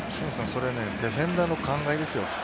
それ、ディフェンダーの考えです。